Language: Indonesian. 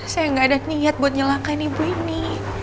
saya gak ada niat buat nyelangkan ibu ini